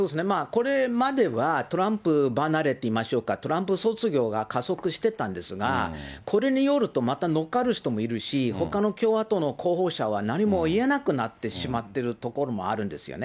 これまではトランプ離れといいましょうか、トランプ卒業が加速してたんですが、これによると、また乗っかる人もいるし、ほかの共和党の候補者は何も言えなくなってしまってるところもあるんですよね。